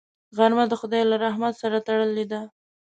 غرمه د خدای له رحمت سره تړلې ده